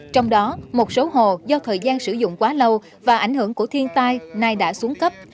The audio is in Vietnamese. trong đó một số hồ do thời gian sử dụng quá lâu và ảnh hưởng của thiên tai nay đã xuống cấp